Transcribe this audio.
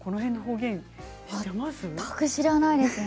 全く知らないですね。